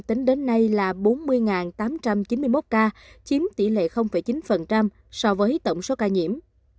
tính đến nay là bốn mươi tám trăm chín mươi một ca chiếm tỷ lệ chín so với tổng số ca nhiễm